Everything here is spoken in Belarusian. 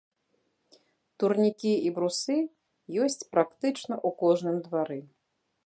Турнікі і брусы ёсць практычна ў кожным двары.